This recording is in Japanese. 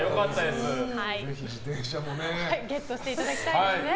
ぜひ自転車もゲットしていただきたいですね。